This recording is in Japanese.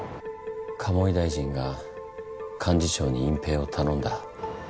鴨井大臣が幹事長に隠蔽を頼んだ。